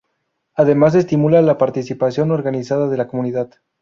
Además, estimula la participación organizada de la comunidad.